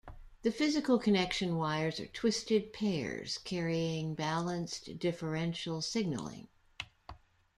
The physical connection wires are twisted pairs carrying balanced differential signaling.